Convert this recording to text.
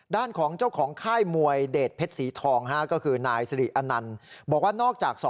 ด้านของเจ้าของค่ายมวยเดทเพชรสีทองคือนายส